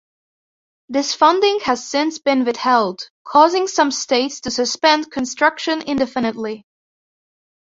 This funding has since been withheld, causing some states to suspend construction indefinitely.